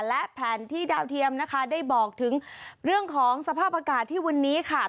และแผนที่ดาวเทียมนะคะได้บอกถึงเรื่องของสภาพอากาศที่วันนี้ค่ะ